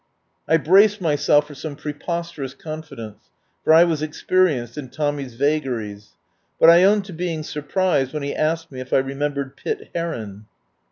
I braced myself for some preposterous con fidence, for I was experienced in Tommy's va garies. But I own to being surprised when he asked me if I remembered Pitt Heron.